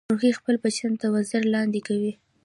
مورغۍ خپل بچیان تر وزر لاندې کوي